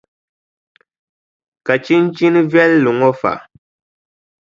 Ka chinchini viɛlli ŋɔ fa?